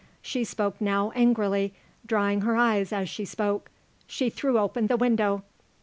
she spoke now angrily, drying her eyes as she spoke. She threw open the window.